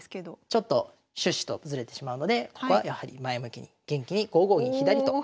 ちょっと趣旨とずれてしまうのでここはやはり前向きに元気に５五銀左と。